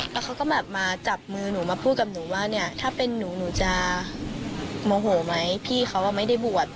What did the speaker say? แล้วเขาก็แบบมาจับมือหนูมาพูดกับหนูว่าเนี่ยถ้าเป็นหนูหนูจะโมโหไหมพี่เขาไม่ได้บวช